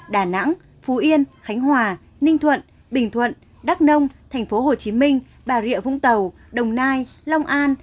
đà nẵng phú yên khánh hòa ninh thuận bình thuận đắk nông tp hcm bà rịa vũng tàu đồng nai long an